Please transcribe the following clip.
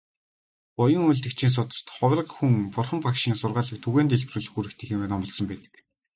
Буян үйлдэгчийн сударт "Хувраг хүн Бурхан багшийн сургаалыг түгээн дэлгэрүүлэх үүрэгтэй" хэмээн номлосон байдаг.